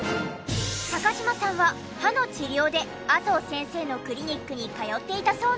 高嶋さんは歯の治療で麻生先生のクリニックに通っていたそうなんですが。